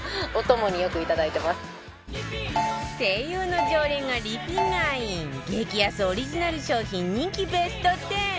ＳＥＩＹＵ の常連がリピ買い激安オリジナル商品人気ベスト１０